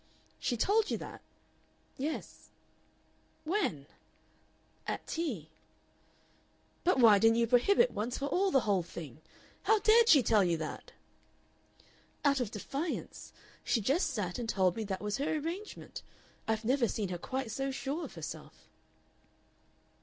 "She told you that?" "Yes." "When?" "At tea." "But why didn't you prohibit once for all the whole thing? How dared she tell you that?" "Out of defiance. She just sat and told me that was her arrangement. I've never seen her quite so sure of herself."